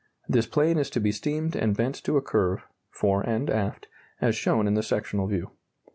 This plane is to be steamed and bent to a curve (fore and aft) as shown in the sectional view.